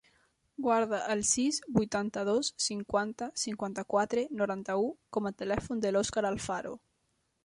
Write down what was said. Guarda el sis, vuitanta-dos, cinquanta, cinquanta-quatre, noranta-u com a telèfon de l'Òscar Alfaro.